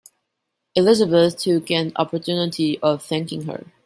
Elizabeth took an opportunity of thanking her.